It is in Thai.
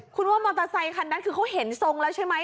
คุณว่ามอเตอร์ไซคันนั้นคือเขาเห็นทรงแล้วใช่ไหม